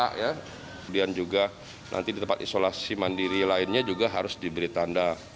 kemudian juga nanti di tempat isolasi mandiri lainnya juga harus diberi tanda